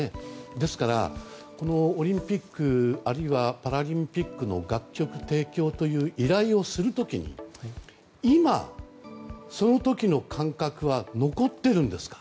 ですから、オリンピックあるいはパラリンピックの楽曲提供という依頼をする時に今、その時の感覚は残ってるんですか？